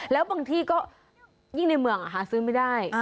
แล้วบางที่ก็ยิ่งในเมืองหาซื้อไม่ได้